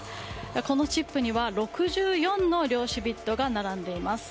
このチップには６４の量子ビットが並んでいます。